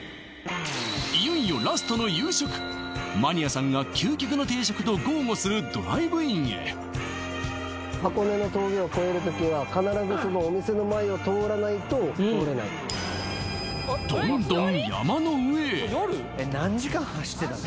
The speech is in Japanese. いよいよラストの夕食マニアさんが究極の定食と豪語するドライブインへ箱根の峠を越える時は必ずそのお店の前を通らないと通れないどんどん山の上へえっ何時間走ってたの？